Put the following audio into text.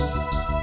aku mau ke rumah